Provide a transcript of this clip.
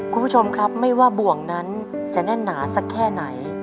คุณผู้ชมครับไม่ว่าบ่วงนั้นจะแน่นหนาสักแค่ไหน